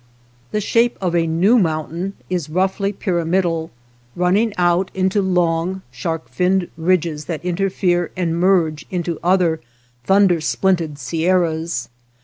The shape of a new mountain is coughly pyramidal, running out into long shark finned ridges that interfere and merge into other thunder splintered sierras.